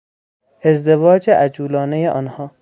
ازدواج عجولانهی آنها